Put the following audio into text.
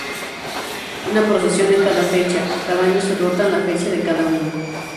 Una procesión en cada fecha, cada año se rotan la fecha de cada una.